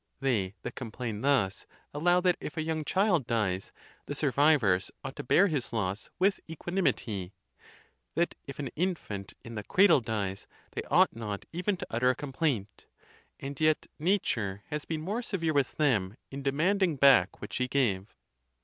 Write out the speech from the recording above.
They that complain thus allow that if a young child dies, the survivors ought to bear his loss with equanimity ; that if an infant in the cradle dies, they ought not even to utter a complaint; and yet nature has been more severe with them in demanding back what she gave.